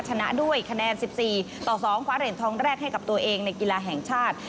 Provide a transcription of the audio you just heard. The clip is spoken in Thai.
ชนะด้วยคะแนน๑๔ต่อ๒คว้าเหรียญทองแรกให้กับตัวเองในกีฬาแห่งชาติ